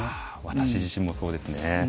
私自身もそうですね。